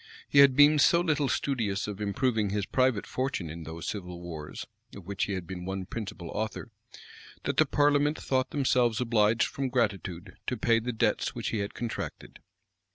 He had been so little studious of improving his private fortune in those civil wars, of which he had been one principal author, that the parliament thought themselves obliged from gratitude to pay the debts which he had contracted.